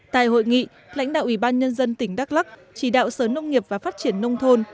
tại hội nghị lãnh đạo ubnd tỉnh đắk lắc chỉ đạo sở nông nghiệp và phát triển nông thôn